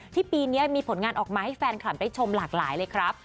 ปีนี้มีผลงานออกมาให้แฟนคลับได้ชมหลากหลายเลยครับ